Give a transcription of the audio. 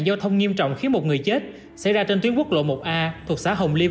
giao thông nghiêm trọng khiến một người chết xảy ra trên tuyến quốc lộ một a thuộc xã hồng liêm